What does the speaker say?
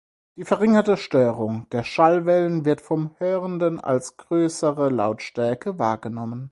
Die verringerte Störung der Schallwellen wird vom Hörenden als größere Lautstärke wahrgenommen.